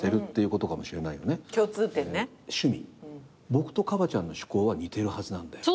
僕とカバちゃんの趣向は似てるはずなんだよ。